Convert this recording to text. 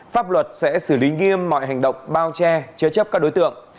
pháp luật sẽ xử lý nghiêm mọi hành động bao che chế chấp các đối tượng